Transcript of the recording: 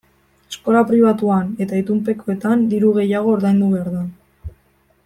Eskola pribatuan eta itunpekoetan diru gehiago ordaindu behar da.